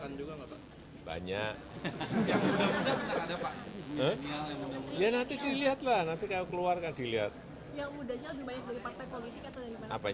untuk yang muda kelahan budanya dari partai politik atau profesional pak